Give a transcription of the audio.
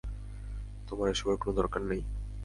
তোমার এসবের কোনো দরকার নেই।